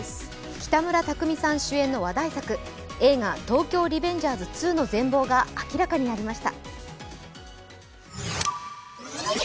北村匠海さん主演の話題作、映画「東京卍リベンジャーズ２」の全貌が明らかになりました。